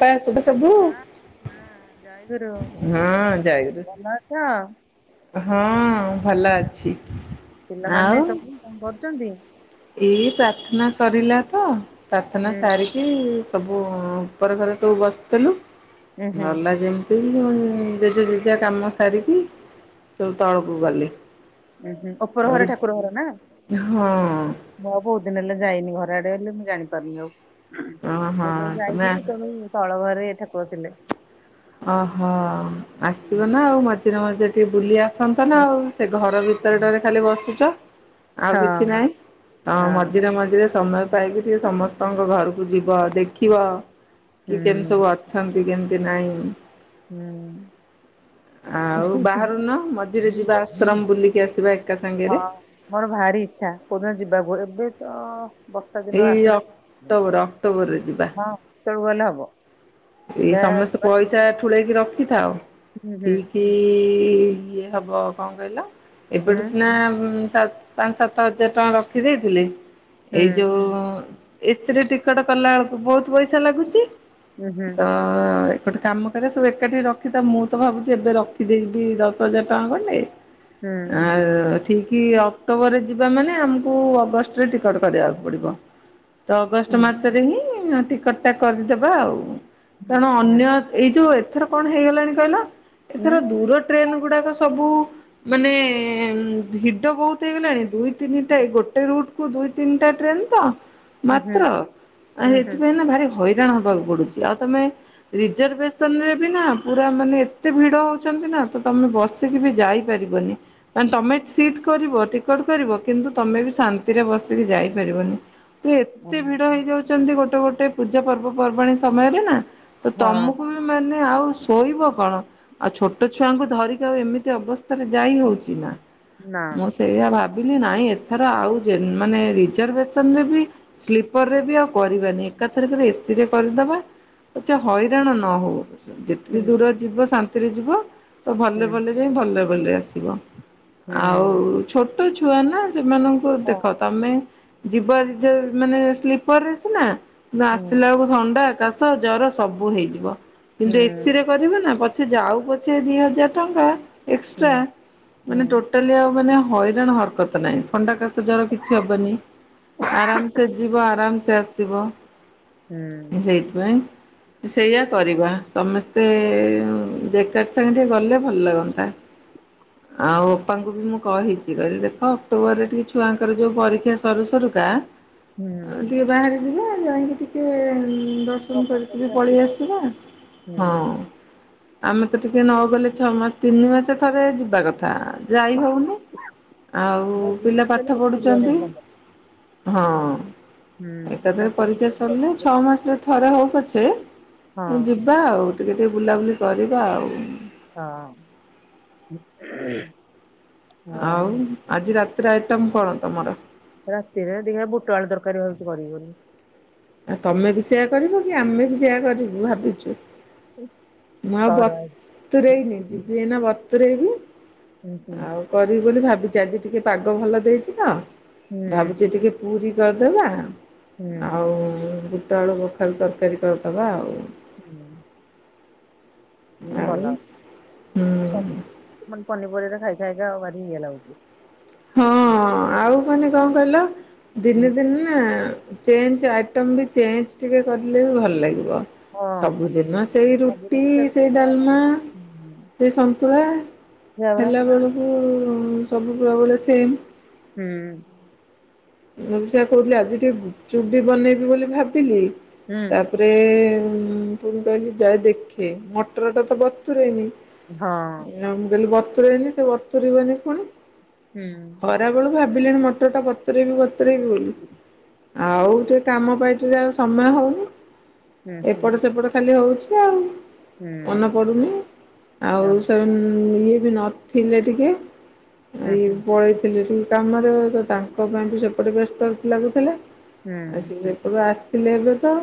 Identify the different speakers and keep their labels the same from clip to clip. Speaker 1: Pass [inaudible]
Speaker 2: ହୁଁ
Speaker 1: ହଁ ଯାଇଥିଲି
Speaker 2: କିଅଣ
Speaker 1: ହଁ ଭଲ ଅଛି ଆଉ
Speaker 2: ପିଲାମାନେ ସବୁ କଣ କରୁଛନ୍ତି
Speaker 1: ଏଇ ପ୍ରାର୍ଥନା ସରିଲା ତ ପ୍ରାର୍ଥନା
Speaker 2: ହୁଁ
Speaker 1: ସାର କି ସବୁ ଉପରେ ଘରେ ସବୁ ବସିଥିଲୁ
Speaker 2: ଉୁଁ ହୁଁ
Speaker 1: ଭଲଲା ଯେମ ସେ ଜେଜେ ଜେଜେ କାମ ସାରିକି ସବୁ ତଳକୁ ଗଲେ।
Speaker 2: ଉୁ ହୁଁ ଅପର
Speaker 1: ଆଉ
Speaker 2: ଘର ଠାକୁର ଘର ନା।
Speaker 1: ହଁ
Speaker 2: ମୁଁ ଆଉ ବହୁତ ଦିନ ହେଲେ ଯାଇନି ଘର ଆଡେ ହେଲେ ମୁଁ ଜାଣିପାରୁନି ଆଉ
Speaker 1: ହଁ ହଁ
Speaker 2: ମୁଁ ତ
Speaker 1: ତମେ
Speaker 2: ଯାଇଥିଲି ତଣେ ତଳ ଘରେ ଠାକୁର ଥିଲେ
Speaker 1: ଓହୋ
Speaker 2: ହୁଁ।
Speaker 1: ଆସିବ ନା ଆଉ ମଝିରେ ମଝିରେ ଟିକେ ବୁଲି ଆସ। ସନ୍ତାନ
Speaker 2: ହଁ
Speaker 1: ଆଉ ସେ ଘର ଭିତରେଟରେ ଖାଲି ବସୁଛ। ଆଉ କିଛି ନହିଁ ହ
Speaker 2: ହଁ
Speaker 1: ମଝିରେ ମଝିରେ ସମୟ। ପାଇକି ଟେ ସମସ୍ତଙ୍କ ଘରକୁ ଯିବ ଦେଖିବ କି କେ ସବୁ
Speaker 2: ହୁଁ
Speaker 1: ଅଛନ୍ତି କେମିତି ନାହିଁ।
Speaker 2: ହୁଁ
Speaker 1: ଆଉ ବାହାରୁନ ମଝିରେ ଯିବା ଆଶ୍ରମ ବୁଲିକି ଆସିବା ଏକା ସାଙ୍ଗରେ।
Speaker 2: ହଁ। ମୋର ଭାରି ଇଚଛା କୋଉଦିନ ଯିବାକୁ ଏବେ ତ ବର୍ଷା ଦିନ
Speaker 1: ଏଇ
Speaker 2: ଆସିଲା
Speaker 1: ଅକ୍ଟୋବର ଅକ୍ଟୋବରରେ ଯିବା।
Speaker 2: ତଳୁଗଲେ ହବ।
Speaker 1: ଏଇ
Speaker 2: ଯା
Speaker 1: ସମସ୍ତେ ପଇସା ଠୁଳେଇକି ରଖିଥାଉ
Speaker 2: ହୁଁ ହୁଁ
Speaker 1: ଠିକ ଇଏ ହବ କଣ କହିଲ
Speaker 2: ହୁଁ
Speaker 1: ଏପଟୁ ସିନା ସ ପାଞ୍ଚ ସାତ ହଜାର ଟଙ୍କା ରଖି ଦେଇଥିଲେ ଏଇ ଯୋଉ
Speaker 2: ହୁଁ
Speaker 1: ଏ ସି ରେ ଟିକଟ କଲା ବେଳକୁ ବହୁତ ପଇସା ଲାଗୁଛି
Speaker 2: ହୁଁ ହୁଁ
Speaker 1: ତ ଗୋଟେ କାମ କରିବା ସବୁ ଏକାଠି ରଖିଥା ମୁଁ ତ ଭାବୁଛି ଏବେ ରଖିଦେଇବି ଦଶ ହଜାର ଟଙ୍କା ଖଣ୍ଡେ ଆ ଠିକ ଅକ୍ଟୋବରରେ ଯିବା ମାନେ ଆମକୁ ଅଗଷ୍ଟ ଟିକଟ କରିବାକୁ ପଡିବ ତ ଅଗଷ୍ଟ
Speaker 2: ହୁଁ
Speaker 1: ମାସ ହିଁ ଟିକଟ ଟା କରିଦବା ଆଉ
Speaker 2: ହୁଁ
Speaker 1: କାରଣ
Speaker 2: ହୁଁ ହୁଁ
Speaker 1: ଅନ୍ୟ ଏଇ ଯୋଉ ଏଥର କଣ ହେଇଗଲାଣି କହିଲା ଏଥର ଦୂର ଟ୍ରେନ୍ ଗୁଡାକ ସବୁ ମାନେ ଭିଡ ବହୁତ ହେଇଗଲାଣି ଦୁଇ ଦ ତିନିଟା ଗୋଟେ ରୁଟ କୁ ଦୁଇ ତିନିଟା ଟ୍ରେନ ତ ମାତ୍ର ସେଥିପାଇଁ ନା ଭାରି ହଇରାଣ ହବାକୁ ପଡୁଛି ଆଉ ତମେ ରିଜର୍ଭସନ ରେ ବି ନା ପୁରା ମାନେ ଏତେ ଭିଡ ହଉଛନ୍ତି ନା ତ ତମେ ବସ [unintelligible] କି ବି ଯାଇପାରିବନି। ନା ତମେ ସିଟ କରିବ ଟିକଟ କରିବ କିନ୍ତୁ ତମେ ବି ଶାନ୍ତିରେ ବସିକି ଯାଇପାରିବନି। ଏତେ ଭିଡ ହେଇଯାଉଛନ୍ତି ଗୋଟେ ଗୋଟେ ପୂଜା ପର୍ବପର୍ବାଣୀ ସମୟରେ ନା ତ ତମକୁ ବି ମାନେ ଆଉ ଶୋଇବ କଣ ଆଉ ଛୋଟ ଛୁଆଙ୍କୁ ଧରିକି ଆଉ ଏମିତି ଅବସ୍ ରେ ଯାଇ ହଉଛି ନା। ମୋ ସେଇଆ ଭାବିଲି ନାଇଁ ଏଥର ଆଉ ମାନେ ରିଜର୍ଭେସନ ରେ ବି ସ୍ଲିପର ରେ ବି ଆଉ କରିବାନି ଏକା ଥାରିଖରେ ଏ ସିି ରେ କରିଦବା। ଆଛ ହଇରାଣ ନ ହଉ ଯେତିକି ଦୂର ଯିବ ଶାନ୍ତିରେ ଯିବ ତ ଭଲ ଭଲ ଯ ଭଲ ଭଲରେ ଆସିବ ଆଉ ଛୋଟ ଛୁଆ ନା ସେମାନଙ୍କୁ ଦେଖ ତମେ ଯିବ ମାନେ ସ୍ଲିପର ରେ ସିନା ଆସିଲା ବେଳକୁ ଥଣ୍ଡା ଏକା ଜର ସବୁ ହେଇଯିବ କିନ୍ତୁ ଏ ସିରେ କରିବୁ ନା ପଛେ ଯାଉ ପଛେ ଦି ହଜାର ଟଙ୍କା ଏକ୍ସଟ୍ରା ମାନେ ଟୋଟାଲି ଆଉ ମାନେ ହଇରାଣ ହ ରତ ନାହିଁ ଥଣ୍ଡା କାଶ ଜର କିଛି ହବନି। ଆରାମସେ ଯିବ ଆରାମସେ ଆସିବ।
Speaker 2: ହୁଁ।
Speaker 1: [unintelligible] ସେଇଆ କରିବା ସମସ୍ତେ ଜ୍ୟାକେଟ୍ ସାଙ୍ଗେ ଟିକେ ଗଲେ ଭଲ ଲାଗନ୍ତା। ହ ଆଉ ଅପାଙ୍କୁ ବି ମୁଁ କହିଛି କହିଲି ଦେଖ ଅକ୍ଟୋବରରେ ଟିକେ ଛୁଆଙ୍କର ଯୋଉ ପରୀକ୍ଷା ସରୁ ସରୁକା ଆଉ ଟିକେ ବାହାରେ ଯିବେ ଯାହିକି ଟିକେ [unintelligible] ମୁଁ
Speaker 2: ହଁ ହଁ
Speaker 1: କହିଲି
Speaker 2: ହଁ
Speaker 1: ଟିକେ ପଳେଇ ଆସିବା ହଁ। ଆମେ ତ ଟିକେ ନ ଗଲେ ଛଅ ମାସ ତିନି ମାସ ଥରେ ଯିବା କଥା। ଯାଇ ହଉନି ଆଉ ପିଲା ପାଠ ପଢୁଛନ୍ତି। ହଁ ଏକାଥରେ ପରୀକ୍ଷା ସରିଲେ ଛଅ ମାସରେ ଥରେ ହଉ ପଛେ। ଯିବା ଆଉ ଟିକେ ଟିକେ ବୁଲାବୁଲି କରିବା ଆଉ।
Speaker 2: ହଁ।
Speaker 1: ଆଉ ଆଜି ରାତିରେ ଆଇଟମ କଣ ତମର?
Speaker 2: ରାତିରେ ଦେଖ ବୁଟ ଆଳୁ ଦରକାରୀ ଭାବୁଛି କରିବୁ ବୋଲି।
Speaker 1: ଆଉ ତମେ ବି ସେଇୟଆ କରିବ କି ଆମେ ବି ସେୟ କରିବୁ ଭାବି ମୁଁ ଆଉ
Speaker 2: କର ହୁଁ
Speaker 1: ବତରେଇନି ଯିବି ଏନା ବତରେଇବି
Speaker 2: ହୁଁ
Speaker 1: ଆଉ। କରିବି ବୋଲି ଭାବିଛି ଆଜି ଟିକେ ପାଗ ଭଲ ଦେଇଛି ତ
Speaker 2: ହୁଁ
Speaker 1: ଭାବୁଛି ଟିକେ ପୁରୀ କରିଦେବା
Speaker 2: ହୁଁ
Speaker 1: ଆଉ ବୁଟଆଳୁ କଖାରୁ ତରକାରୀ କରିଦେବା ଆଉ।
Speaker 2: ହୁଁ
Speaker 1: ଆଉ
Speaker 2: ଭଲ ହବ
Speaker 1: ହୁଁ
Speaker 2: ସବୁ ପନିପରିବା ଖାଇ ଖାଇକ ଆଉ ଭାରି ଇଏ ଲାଗୁଛି।
Speaker 1: ହଁ ଆଉ ମାନେ କଣ କହିଲ
Speaker 2: ହଁ
Speaker 1: ଦିନେ ଦିନ ନା ଚେଞ୍ଜ ଆଇଟମ୍ ବି ଚେଞ୍ଜ ଟିକେ କରିଲେ ବି ଭଲ ଲାଗିବ। ସବୁଦିନ ସେଇ
Speaker 2: ସବୁ ହୁଁ
Speaker 1: ରୁଟି
Speaker 2: ସେଇଆ
Speaker 1: ସେଇ ଡାଲମା ସେ ସନ୍ତୁଳା
Speaker 2: ପରା
Speaker 1: ହେଲା ବେଳକୁ ସବୁ ବ ବେଳେ ସେମ୍।
Speaker 2: ହୁଁ।
Speaker 1: ଉ ମୁଁ ସେୟା କହୁଥିଲି ଆଜି ଟିକେ ଚୁଡ଼ି ବନେଇବି ବୋଲି ଭାବିଲି ତା
Speaker 2: ହୁଁ
Speaker 1: ତାପରେ ପୁଣି କହିଲି ଯାଏ ଦେଖେ ମଟର ଟା ତ ବତରେନି।
Speaker 2: ହଁ
Speaker 1: ନା ମୁଁ କହିଲି ବତୁରଇନି ସେ ବତୁରିବନି ପୁଣି।
Speaker 2: ହୁଁ।
Speaker 1: ଖରାବେେଳୁ ଭାବିଲେଣି ମଟରଟା ଗରେ ବତୁରାଇବି ବତୁରିଏବି ବି ବୋଲି ଆଉ ଟିକେ କାମ ପାଇଟି ରେ ସମୟ ହଉନି।
Speaker 2: ହୁଁ ହୁଁ ହୁଁ ହୁଁ
Speaker 1: ଏପଟ ସେପଟ ଖାଲି ହଉଛି ଆଉ।
Speaker 2: ହୁଁ
Speaker 1: ମନେ
Speaker 2: ହୁଁ
Speaker 1: ପଡ଼ୁନି ଆଉ ସେମାନେ ଇଏ ବି ନଥିଲେ ଟିକେ ଆଇ ପଳେଇଥିଲି ଟିକ କାମରେ ତ ତାଙ୍କ ପାଇଁ ବି ସେପଟେ ବ୍ୟସ୍ତ ଲାଗୁଥିଲା।
Speaker 2: ହୁଁ
Speaker 1: ଆ ସେ ଯେପଟୁ ଆସିଲେ ଏବେ ତ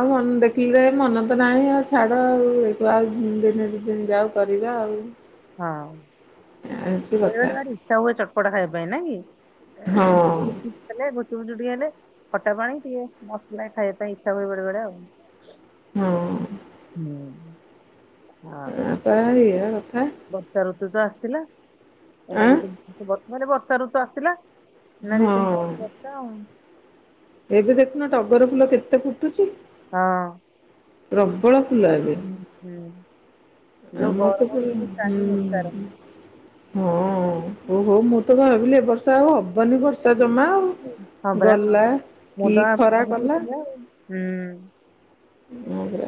Speaker 1: ଆଉ ମନ ଦେଖିଲି ମନ ତ ନାହିଁ ଆଉ ଛାଡ ଆଉ ଆଉ ଦିନ ଦ ଦିନ ଯାଉ କରିବା ଆଉ
Speaker 2: ହଁ
Speaker 1: ଏମିତି କଥା
Speaker 2: ବେଳେବେେଳେ ଭାର ଇଚ୍ଛା ହୁଏ ଚଟପଟ ଖାଇବା ପାଇଁ ନ କି?
Speaker 1: ହଁ
Speaker 2: [inaudible] ହେଲେ ଗୁଚୁୁଚ ଟିକେ ହେଲେ ଖଟା ପାଣି ଟିକେ ମସ୍ ଲାଗେ ଖାଇବା ପାଇଁ ଇଚଛା ହୁଏ ବେ ବେଳେ ଆଉ
Speaker 1: ହଁ।
Speaker 2: ହୁଁ। ଆଉ
Speaker 1: ଆପ ହେଇ କଥା।
Speaker 2: ବର୍ଷା ଋତୁ ତ ଆସିଲା ଏ
Speaker 1: ଆଁ
Speaker 2: ଦ ବର୍ତ୍ତ ବର୍ଷା ଋତୁ ଆସିଲା। ନଦୀ ଦିନ
Speaker 1: ହଁ
Speaker 2: ମାସି ବଛ।
Speaker 1: ଏବେ ଦେଖୁନ ଟଗର ଫୁଲ କେତେ ଫୁଟୁଛି।
Speaker 2: ହଁ।
Speaker 1: ପ୍ରବଳ ଫୁଲ ଏବେ
Speaker 2: ହୁଁ ହୁଁ। ଯୋଉ
Speaker 1: ଆମର ତ ହୁଁ।
Speaker 2: ଗରମରୁ ଟିକେ ତ୍ରାହି ନିସ୍ତାର
Speaker 1: ହଁ ଓହୋ ମୁଁ ତ ଭାବିଲି ଏବ ବର୍ଷା ଆଉ ହବାନି ବର୍ଷା ପସା ଜମା ଆଉ ଗଲା କି
Speaker 2: ମୁଦ ଆଉ
Speaker 1: ଖରା
Speaker 2: ହୁଁ।
Speaker 1: କଲା ଆଗ୍ର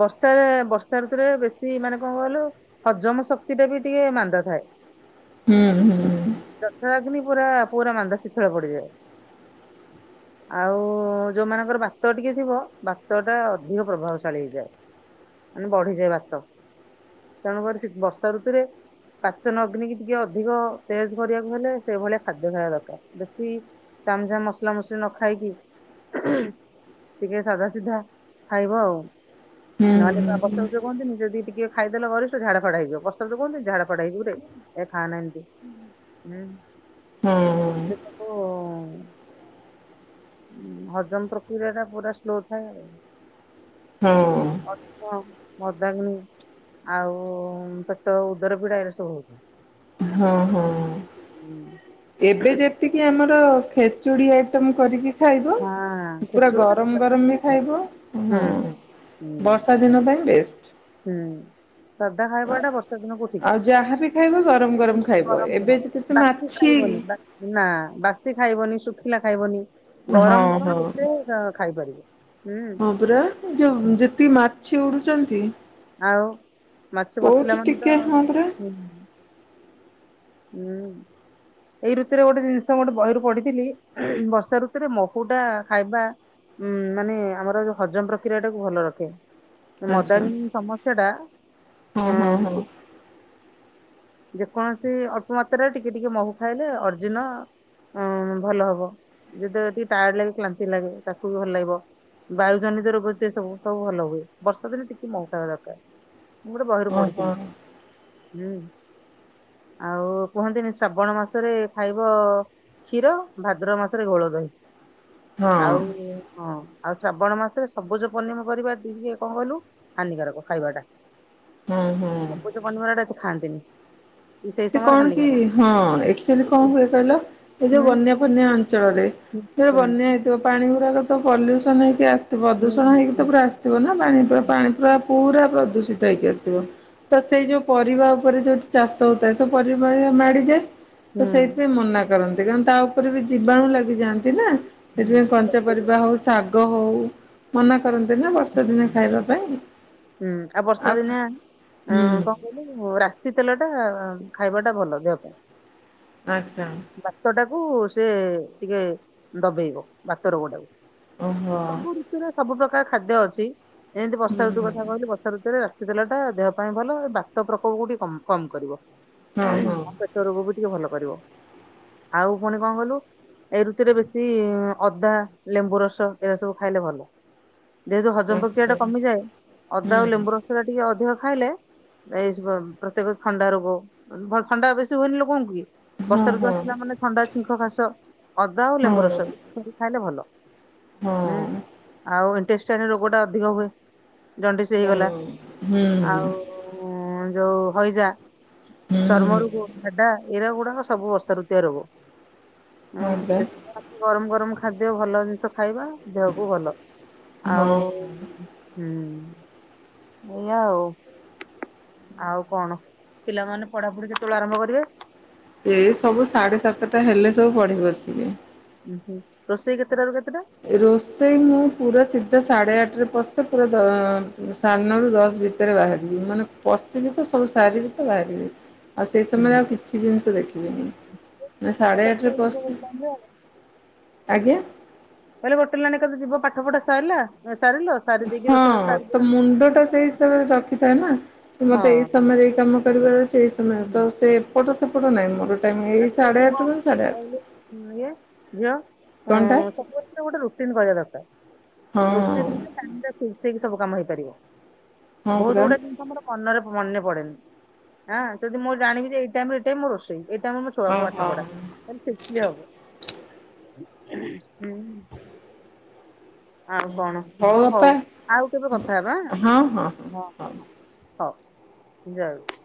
Speaker 2: ବର୍ଷାରେ ବର୍ଷା ଋତୁରେ ବେଶୀ ମାନେ କଣ କହିଲୁ। ହଜମ ଶକ୍ତି ଟା ବି ଟିକେ ମାନ୍ଦା ଥାଏ।
Speaker 1: ହୁଁ ହୁଁ
Speaker 2: ଦକ୍ଷ ଲଗ୍ନୀ ପୁରା ପୁରା ମାନ୍ଦା ଶୀଥଳ ପଡିଯାଏ। ଆଉ ଯୋଉମାନଙ୍କର ବାତ ଟିକେ ଥିବ ବା ବାତ ଟା ଅଧିକ ପ୍ରଭାବଶାଳୀ ହେଇଯାଏ ମାନେ ବଢିଯାଏ ବାତ ତେଣୁକରି ସେ ବର୍ଷା ଋତୁରେ ପାଚନ ଅଗ୍ନିିକି ଟିକେ ଅଧିକ ତେଜ୍ କରିବାକୁ ହେଲେ ସେଭଳିଆ ଖାଦ୍ୟ ଖାଇବା ଦରକାର ବେଶୀ ତାମ ଯା ମସଲା ମସଲି ନ ଖାଇକି ଟିକେ ସାଧା ସିଧା ଖାଇବ ଆଉ
Speaker 1: ହୁଁ
Speaker 2: ନହେଲେ ତ
Speaker 1: ହୁଁ
Speaker 2: ବସଦ ଯ କହନ୍ତି ନିଜ ଦି ଟିକେ ଖାଇଦେଲେ ଗରିଷ୍ ଝାଡ଼ ଫାଡା ହେଇଯିବ ବସାଦ କୁହନ୍ତି ଝାଡ଼ ଫାଡା ହେଇ ଯିବରେ ଏ ଖାଉ ନାହାନ୍ତି ଉଁ।
Speaker 1: ହଁ।
Speaker 2: [unintelligible] ଉଁ ହଜମ ପ୍ରକ୍ରିୟା ଟା ପୁରା ସ୍ଲୋ ଥାଏ ଆଉ।
Speaker 1: ହଁ।
Speaker 2: [unintelligible] ଆଉ ପେଟ ଉଦର ପିଡାରେ ସବୁକୁ।
Speaker 1: ହଁ ହଁ ଏବେ ଯେତ୍ ଏତିକି ଆମର ଖେଚୁଡ଼ି ଆଇଟମ୍ କରିକି ଖାଇବ
Speaker 2: ହଁ
Speaker 1: ପୁରା
Speaker 2: ଖେଚୁଡି ଟା ପେଟ
Speaker 1: ଗରମ
Speaker 2: ପାଇଁ
Speaker 1: ଗରମ ବି
Speaker 2: ବହୁତ ଭଲ
Speaker 1: ଖାଇବ ହଁ।
Speaker 2: ହୁଁ ହୁଁ
Speaker 1: ବର୍ଷା ଦିନ ପାଇଁ ବେଷ୍ଟ।
Speaker 2: ହୁଁ ସାଧା ଖାଇବା ଟା ବର୍ଷା ଦିନକୁ ଠିକ୍।
Speaker 1: ଆଉ ଯାହାବି ଖାଇବ ଗରମ ଗରମ ଖାଇବ
Speaker 2: ଗରମ
Speaker 1: ଏବେ
Speaker 2: ଦିନ
Speaker 1: ଯେ କେତେ
Speaker 2: ବାସି
Speaker 1: ମାଛି
Speaker 2: ଖାଇବନି ଵା ନା ବାସି ଖାଇବନି ଶୁଖିଲା ଖାଇବନି।
Speaker 1: ହଁ
Speaker 2: ଗରମ ଗରମ
Speaker 1: ହଁ।
Speaker 2: ଯେତେ ଖାଇ ପାରିବ ହୁଁ।
Speaker 1: ହଁ ପରା ଯୋଉ ଯେତିକି ମାଛି ଉଡୁଛନ୍ତି।
Speaker 2: ଆଉ ମାଛ ପଶିଲା
Speaker 1: କୋଉଠି
Speaker 2: ମାନେ ତ
Speaker 1: ଟିକେ ହଁ ପରା
Speaker 2: ହୁଁ। ହୁଁ। ଏଇ ଋତୁରେ ଗୋଟେ ଜିନିଷ ଗୋଟେ ବହିରୁ ପଢିଥିଲି ବର୍ଷା ଋତୁରେ ମହୁ ଟା ଖାଇବା ଉଁ ମାନେ ଆମର ଯୋଉ ହଜମ ପ୍ରକ୍ରିୟା ଟାକୁ ଭଲ ରଖେ।
Speaker 1: ଆଚ୍ଛା
Speaker 2: ମଦାଙ୍ଗ ସମସ୍ୟା ଟା
Speaker 1: ହଁ ହଁ
Speaker 2: ହୁଁ।
Speaker 1: ହଁ
Speaker 2: ଯେକୌଣସି ଅଳ୍ପ ମାତ୍ରାରେ ଟିକେ ଟିକେ ମହୁ ଖାଇଲେ ଅର୍ଜିଁନ ହଁ ଭଲ ହବ ଯେତେବେଳେ ଟିକେ ଟାୟାର୍ଡ ଲାଗେ କ୍ଳାନ୍ତି ଲାଗେ ତାକୁ ବି ଭଲ ଲାଗିବ। ବାୟୁ ଜନିତ ରୋଗ ଯେତେ ସବୁ ସବୁ ଭଲ ହୁଏ ବର୍ଷା ଦିନେ ଟିକେ ମହୁ ଖାଇବା ଦରକାର। ମୁଁ ଗୋଟେ ବହିରୁ
Speaker 1: ହଁ
Speaker 2: ପଢ଼ି ଥିଲି
Speaker 1: ହଁ
Speaker 2: ହୁଁ। ଆଉ କୁହନ୍ତିନି ଶ୍ରାବଣ ମାସରେ ଖାଇବ କ୍ଷୀର ଭାଦ୍ରବ ମାସରେ ଘୋଳ ଦହି
Speaker 1: ହଁ
Speaker 2: ଆଉ ହଁ। ଆଉ ଶ୍ରାବଣ ମାସରେ ସବୁଜ ପନିପରିବା ବି କଣ କହିଲୁ ହାନି କାରକ ଖାଇବା ଟା।
Speaker 1: ହଁ ହୁଁ।
Speaker 2: ସବୁଜ ପନିପରିବା ଟା ଏତେ ଖାଆନ୍ତିନି। ସେଇ
Speaker 1: ସେ
Speaker 2: ସମୟରେ
Speaker 1: କଣ କି
Speaker 2: ହାନିକାରକ।
Speaker 1: ହଁ ଏଚୁଆଲି କଣ ହୁଏ କହିଲା ଏ ଯୋଉ
Speaker 2: ହୁଁ
Speaker 1: ବନ୍ୟା ଫନ୍ୟା ଅଞ୍ଚଳରେ।
Speaker 2: ହୁଁ
Speaker 1: ଯୋଉ
Speaker 2: ହୁଁ।
Speaker 1: ବନ୍ୟା। ପାଣି ଗୁଡ଼ାକ ତ ପଲ୍ୟୁସନ୍ ହେଇକି ଆସିଥିବ
Speaker 2: ହୁଁ
Speaker 1: ପ୍ରଦୂଷଣ
Speaker 2: ହୁଁ
Speaker 1: ହେଇକି ତ ପୁରା ଆସିଥିବ ନା ପାଣି ପୁରା
Speaker 2: ହୁଁ।
Speaker 1: ପାଣି ପୁରା ପୁରା ପ୍ରଦୂଷିତ ହେଇକି ଆସିଥିବ ତ ସେଇ ଯୋଉ ପରିବା ଉପରେ ଯୋଉ ଚାଷ ଯୋଉ ଚାଷ ପରିବା ମାଡ଼ିଯାଏ
Speaker 2: ହୁଁ
Speaker 1: ତ ସେଇଥି ପାଇଁ ମନା କରେ। କରନ୍ତି କାରଣ ତା ଉପରେ ବି ଜୀବାଣୁ ଲାଗିଯାଆନ୍ତି ନା
Speaker 2: ହୁଁ
Speaker 1: ସେଥିପାଇଁ କଞ୍ଚା ସବୁଜ ପରିବା ହଉ ଶାଗ ହଉ ମନା କରନ୍ତି ନା ବର୍ଷା ଦିନ ଖାଇବା ପାଇଁ
Speaker 2: ହୁଁ ବର୍ଷା ଦିନେ
Speaker 1: ଆଉ
Speaker 2: ଅଁ କଣ ରାଶି ତେଲ ଟା ଖାଇବାଟା ଭଲ ଦେହ ପାଇଁ।
Speaker 1: ଆଚ୍ଛା।
Speaker 2: ଵାତ ଟାକୁ ସେ ଟିକେ ଦବେଇବ ଵାତ ରୋଗ ଟାକୁ।
Speaker 1: ଓହୋ
Speaker 2: ସବୁ ଋତୁରେ ସବୁ ପ୍ରକାର ଖାଦ୍ୟ ଅଛି। ଏମିତି ବର୍ଷା ଋତୁ କଥା
Speaker 1: ହୁଁ।
Speaker 2: କହିଲି ବର୍ଷା ଋତୁ ରେ ରାଶି ତେଲା ଟା ଦେହ ପାଇଁ ଭଲଅ। ବାତ ପ୍ରକୋପ କୁ ଟିକେ କ କମ କରିବ।
Speaker 1: ହଁ ହଁ
Speaker 2: ବାତ ରୋଗକୁ ବି ଟିକେ ଭଲ କରିବ। ଆଉ ପୁଣି କଣ କହିଲୁ? ଏଇ ଋତୁରେ ବେଶୀ ଅଦା, ଲେମ୍ବୁ ରସ ଏରା ସବୁ ଖାଇଲେ ଭଲ। ଯେହେତୁ ହଜମ ପ୍ରକ୍ରିୟା
Speaker 1: ଆଚ୍ଛା
Speaker 2: ଟା କମିଯାଏ। ଅଦା ଆଉ
Speaker 1: ହୁଁ
Speaker 2: ଲେମ୍ବୁ ରସ ଟା ଟିକେ ଅଧିକ ଖାଇଲେ ଏଇ ଶୁଣ ପ୍ରତ୍ୟେକ ଥଣ୍ଡା ରୋଗ, ଥଣ୍ଡା ବେଶୀ ହୁଏନି ଲୋକଙ୍କୁ କି?
Speaker 1: ହଁ
Speaker 2: ବର୍ଷା ଋତୁ
Speaker 1: ହଁ
Speaker 2: ଆସିଲା ମାନେ ଥଣ୍ଡା, ଛିଙ୍କ, କାଶ, ଅଦା ଆଉ
Speaker 1: ହଁ
Speaker 2: ଲେମ୍ବୁ ରସ ଖାଇଲେ ଭଲ।
Speaker 1: ହୁଁ।
Speaker 2: ଆଉ ଇଣ୍ଟେଷ୍ଟାଇନ ରୋଗଟା ଅଧିକ ହୁଏ। ଜଣ୍ଡିସ୍ ହେଇଗଲା
Speaker 1: ହୁଁ
Speaker 2: ଆଉ
Speaker 1: ହୁଁ
Speaker 2: ଯୋଉ ଯୋଉ ହଇଜା। ଚର୍ମରୁ ଏଟା ଏଡ଼େ ବଡ଼ ସବୁ ବର୍ଷା ଋତୁୟ ରୋଗ।
Speaker 1: ହଁ ପା
Speaker 2: ହୁଁ ତାକି ଗରମ ଗରମ ଖାଦ୍ୟ ଭଲ ଜିନିଷ ଖାଇବା ଦେହକୁ ଭଲ
Speaker 1: ହଁ
Speaker 2: ଆଉ। ହୁଁ। ଏଇଆ ଆଉ। ଆଉ କଣ- ପିଲାମାନେ ପଢାପଢି କେତେବେଳେ ଆରମ୍ଭ କରିବେ?
Speaker 1: ଏଇ ସବୁ ସାଢେ ସାତଟା ହେଲେ ସବୁ ପଢିବ ବସିକି।
Speaker 2: ଉ ହୁଁ ରୋଷେଇ କେତେଟା ରୁ କେତେଟା?
Speaker 1: ରୋଷେଇ ମୁଁ ପୁରା ସିଧା ସାଢ଼େ ଆଠରେ ପଶେ ପୁରା ଧ ଅ ସାଢ଼େ ନରୁ ଦଶ ଭିତରେ ବାହାରିବି ମାନେ ପସିବି ତ ସବୁ ସାରିବି ତ ବାହାରିବି। ଆଉ ସେଇ ସମୟରେ ଆଉ କିଛି ଜିନିଷ ଦେଖିବିନି ମାନେ ସାଢ଼େ ଆଠରେ
Speaker 2: ଏକାଥରେ ଯିବ
Speaker 1: ପଶି
Speaker 2: ଗୋଟେ ଲାଇନ୍ ରେ ଆଉ
Speaker 1: ଆଜ୍ଞା।
Speaker 2: କହିଲେ ଗୋଟେଲ ମାନେକର ଯିବ ପାଠ ପଢା ସାରିଲା ସାରିଲ ସାରି ଦେଇକି
Speaker 1: ହଁ
Speaker 2: ରୋଷେଇବାସ ସାରି
Speaker 1: ତ
Speaker 2: ଦେଇକି
Speaker 1: ମୁଣ୍ଡ ଟା ସେଇ ହିସାବରେ ରଖିଥା ନା।
Speaker 2: ହଁ
Speaker 1: ମତେ ଏଇ ସମୟରେ ଏଇ କାମ କରିବାର ଅଛି ଏଇ ସମୟରେ ତ ସେ ଏପଟ ସେପଟ ନାହିଁ ମୋର। ଟାଇମ୍ ଏଇ
Speaker 2: ଆସିବା
Speaker 1: ସାଢ଼େ
Speaker 2: ପାଇଁ
Speaker 1: ଆଠରୁ ସାଢ଼େ ଆଠ
Speaker 2: କଣ କହିଲି ଝିଅ
Speaker 1: କଣଟା
Speaker 2: ଗୋଟେ ରୁଟିନ କରିବା ଦରକାର
Speaker 1: ହଁ
Speaker 2: ରୁଟିନକୁ ଟାଇମରେ ମିସେଇକି ସବୁ କାମ ହେଇପାରିବ।
Speaker 1: ହଁ
Speaker 2: ବହୁତ
Speaker 1: ପରା
Speaker 2: ଗୁଡିଏ ଜିନିଷମୋର ମନରେ ମନେ ପଡେନିଁ ଆ ଯଦି ମୁଁ ଜାଣିବି ଯେ ଏଇ ଟାଇମ ରେ ଏଇଟାଇମ ରୋଷେଇ ଏଇ ଟାଇମ ଛୁଆଙ୍କୁ ପାଠ
Speaker 1: ଓହୋ
Speaker 2: ପଢ଼ା ମାନେ ଖୁସୀ ଆଉ। ଆଉ କଣ ଓ ହଉ ଆଉ କେବେ କଥା ହବା ହଁ ହ। ହଉ ଜୟ